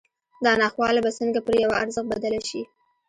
دا ناخواله به څنګه پر یوه ارزښت بدله شي